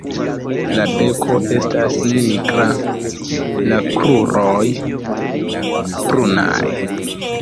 La beko estas nigra; la kruroj brunaj.